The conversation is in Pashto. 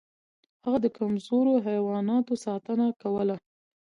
هغه د کمزورو حیواناتو ساتنه کوله.